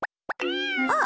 あっ！